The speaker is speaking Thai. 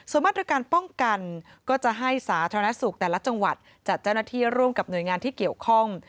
ส่วนมาตรการป้องกันก็จะให้สาธารณสุขแต่ละจังหวัดจัดเจ้าหน้าที่ร่วมกับหน่วยงานที่เกี่ยวข้อง